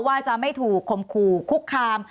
ว่าจะไม่ถูกคมขู่คุกคาม